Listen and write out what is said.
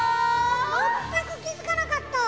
まったく気付かなかった。